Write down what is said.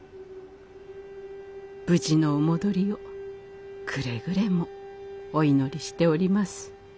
無事のお戻りをくれぐれもお祈りしております。